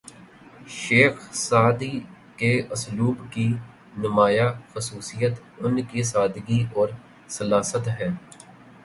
شیخ سعدی کے اسلوب کی نمایاں خصوصیت ان کی سادگی اور سلاست ہے